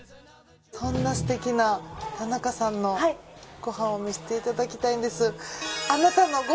そんなすてきな田中さんのご飯を見せていただきたいんです。